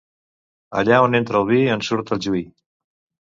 Allà on entra el vi en surt el juí.